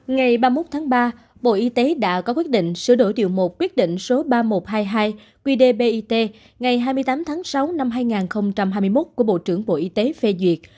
ngày ba mươi một tháng ba bộ y tế đã có quyết định sửa đổi điều một quyết định số ba nghìn một trăm hai mươi hai qdbit ngày hai mươi tám tháng sáu năm hai nghìn hai mươi một của bộ trưởng bộ y tế phê duyệt